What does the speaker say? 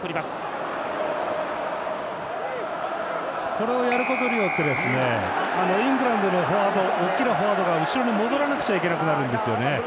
これをやることによってですねイングランドのフォワード大きなフォワードが後ろに戻らなくちゃいけなくなるんですよね。